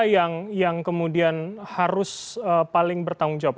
yang kemudian harus paling bertanggung jawab